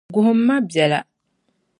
Guhimi ma biɛla.